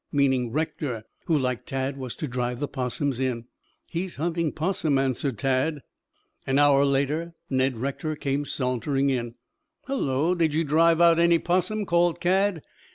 meaning Rector, who like Tad was to drive the 'possums in. "He's hunting 'possum," answered Tad. An hour later Ned Rector came sauntering in. "Hullo, did you drive out any 'possum?" called Cad.